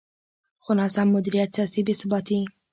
خو ناسم مدیریت، سیاسي بې ثباتي.